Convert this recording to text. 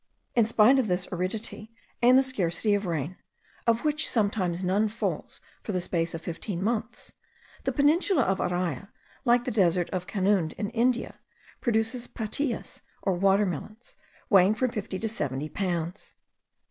In spite of this aridity, and the scarcity of rain, of which sometimes none falls for the space of fifteen months,* the peninsula of Araya, like the desert of Canound in India, produces patillas, or water melons, weighing from fifty to seventy pounds.